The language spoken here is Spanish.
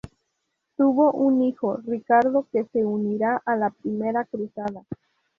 Tuvo un hijo, Ricardo, que se uniría a la Primera Cruzada.